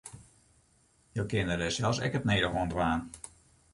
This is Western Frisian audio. Jo kinne dêr sels ek it nedige oan dwaan.